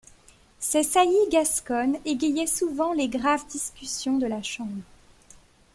Ses saillies gasconnes égayaient souvent les graves discussions de la Chambre.